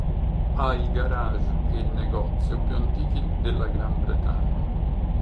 Ha il garage e il negozio più antichi della Gran Bretagna.